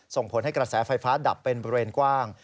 ส่งผลให้กระแสไฟฟ้าดับเป็นบริเวณกว้าง